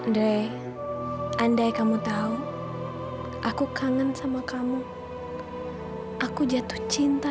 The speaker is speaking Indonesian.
sampai jumpa di video selanjutnya